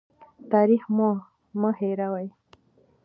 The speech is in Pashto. تاریخ مو مه هېروه.